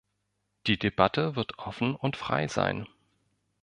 Die Debatte wird offen und frei sein.